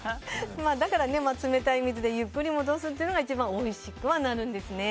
冷たい水でゆっくり戻すというのが一番おいしくはなるんですね。